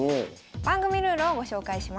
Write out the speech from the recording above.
番組ルールをご紹介します。